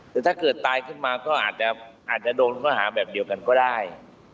แต่ถ้าเกิดตายขึ้นมาก็อาจจะโดนข้อหาแบบเดียวกันก็ได้